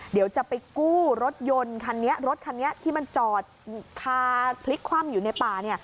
เดี๋ยวจะไปกู้รถยนต์คันนี้รถคันนี้ที่มันจอดคาพลิกคว่ำอยู่ในป่า